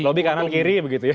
lobb kanan kiri begitu ya